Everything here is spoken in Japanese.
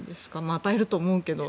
与えると思うけど。